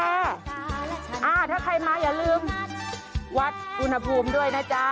ถ้าใครมาอย่าลืมวัดอุณหภูมิด้วยนะจ๊ะ